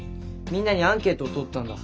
みんなにアンケートをとったんだ。